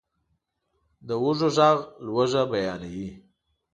د وږو ږغ لوږه بیانوي.